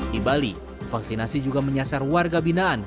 di bali vaksinasi juga menyasar warga binaan